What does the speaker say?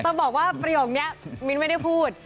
จะบอกว่าประโยคนี้มิ้นไม่ได้พูด